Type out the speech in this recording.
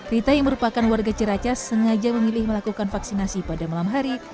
rita yang merupakan warga ciracas sengaja memilih melakukan vaksinasi pada malam hari